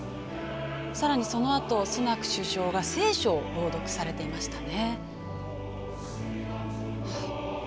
更にそのあとスナク首相が聖書を朗読されていましたね。